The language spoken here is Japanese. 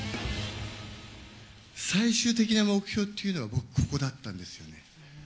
最終的な目標っていうのは、僕、ここだったんですよね。